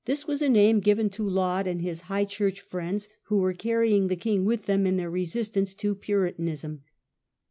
.« a «j« given to Laud and his high church friends, ian" griev who were carrying the king with them in their *""' resistance to Puritanism.